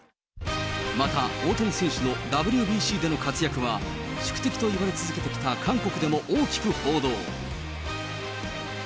また、大谷選手のＷＢＣでの活躍は、宿敵と言われ続けてきた韓国でも大きく報道。